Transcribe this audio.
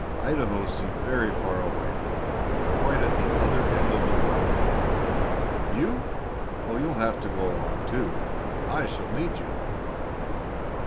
Idaho seemed very far away quite at the other end of the world. "You? Oh, you'll have to go along too! I shall need you."